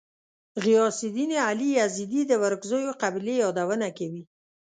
غیاث الدین علي یزدي د ورکزیو قبیلې یادونه کوي.